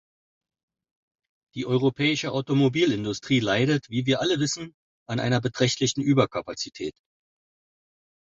Die europäische Automobilindustrie leidet, wie wir alle wissen, an einer beträchtlichen Überkapazität.